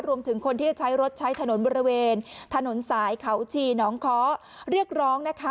รวมถึงคนที่จะใช้รถใช้ถนนบริเวณถนนสายเขาชีน้องค้อเรียกร้องนะคะ